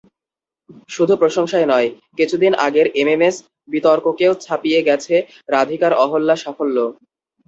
শুধু প্রশংসাই নয়, কিছুদিন আগের এমএমএস বিতর্ককেও ছাপিয়ে গেছে রাধিকার অহল্যা সাফল্য।